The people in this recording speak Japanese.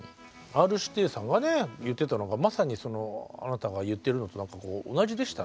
Ｒ−指定さんがね言ってたのがまさにあなたが言ってるのと同じでしたね。